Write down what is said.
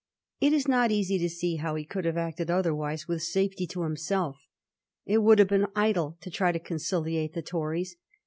It is not easy to see how he could have acted otherwise with safety to himself It would have been idle to try to conciliate the Tories.